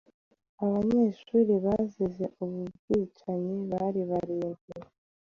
Abanyeshuri bazize ubu bwicanyi bari barindwi